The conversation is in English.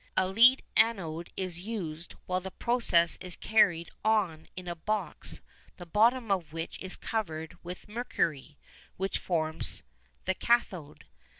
A lead anode is used while the process is carried on in a box the bottom of which is covered with mercury, which forms the cathode.